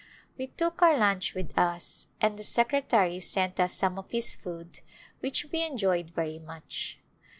We took our lunch with us, and the secretary sent us some of his food which we enjoyed very much.